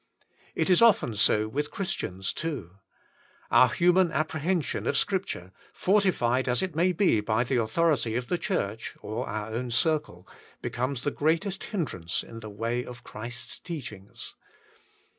It is often so with Christians too; our human apprehension of Scripture, fortified as it may be by the authority of the Church, or our own circle, becomes the greatest hindrance in the way of Christ's teachings.